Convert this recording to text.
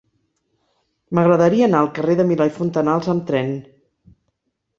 M'agradaria anar al carrer de Milà i Fontanals amb tren.